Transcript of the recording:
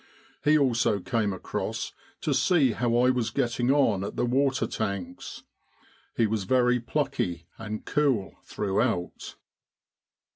He also came across to see how I was getting on at the water tanks. He was very plucky and cool throughout.'